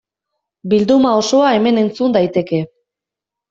Bilduma osoa hemen entzun daiteke.